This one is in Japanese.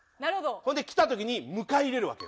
ほんで来た時に迎え入れるわけよ。